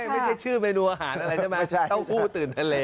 ไม่ใช่ชื่อเมนูอาหารอะไรใช่ไหมเต้าหู้ตื่นทะเล